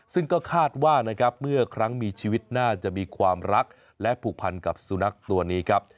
ซึ่งก็คาดว่านะครับเมื่อครั้งมีชีวิตน่าจะมีความรักและผูกพันกับสุนัขตัวนี้ครับ